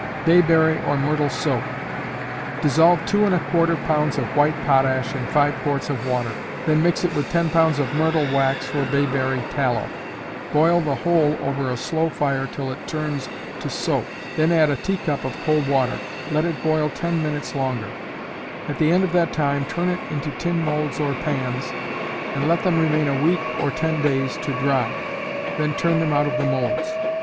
Bayberry, or Myrtle Soap. Dissolve two and a quarter pounds of white potash in five quarts of water, then mix it with ten pounds of myrtle wax, or bayberry tallow. Boil the whole over a slow fire till it turns to soap, then add a teacup of cold water; let it boil ten minutes longer; at the end of that time turn it into tin molds or pans, and let them remain a week or ten days to dry; then turn them out of the molds.